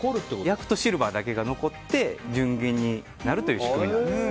焼くとシルバーだけ残って純銀になるという仕組みです。